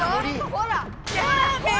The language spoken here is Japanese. ほら！